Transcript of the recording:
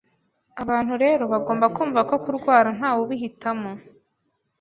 abantu rero bagomba kumva ko kurwara ntawe ubihitamo